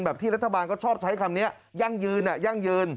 ที่รัฐบาลก็ชอบใช้คำนี้ยั่งยืนยั่งยืน